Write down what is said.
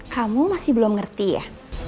kamu masih belum ngerti ya